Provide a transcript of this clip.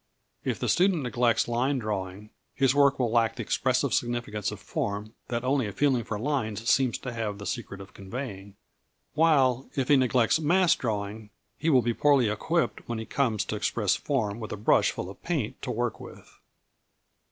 If the student neglects line drawing, his work will lack the expressive significance of form that only a feeling for lines seems to have the secret of conveying; while, if he neglects mass drawing, he will be poorly equipped when he comes to express form with a brush full of paint to work with.